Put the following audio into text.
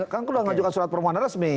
kan aku udah ngajukan surat permohonan resmi